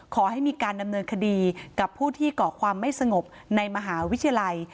ขอให้มีการดำเนินคดีกับผู้ที่ก่อความไม่สงบในมหาวิทยาลัย